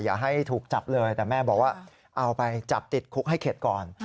อย่าให้ถูกจับเลยแต่แม่บอกว่าเอาไปจับติดคุกให้เข็ดก่อน